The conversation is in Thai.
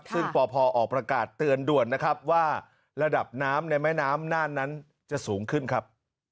ซึ่งปพออกประกาศเตือนด่วนนะครับว่าระดับน้ำในแม่น้ำน่านนั้นจะสูงขึ้นครับ